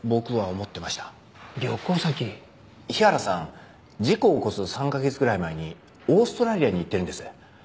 日原さん事故を起こす３カ月くらい前にオーストラリアに行ってるんです。